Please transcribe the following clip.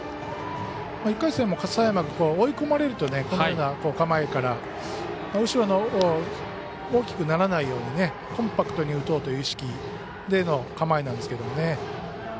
１回戦も佐山君は追い込まれるとこのような構えから大きくならないようにコンパクトに打とうという意識での構えなんですけどね。